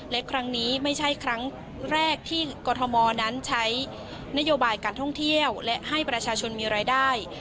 และครั้งนี้ไม่ใช่ครั้งแรกที่กรทมนั้นใช้นโยบายการท่องเที่ยวและให้ประชาชนมีรายได้